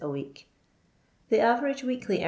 a week. Tho average weekly* e.